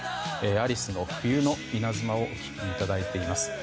アリスの「冬の稲妻」をお聴きいただいています。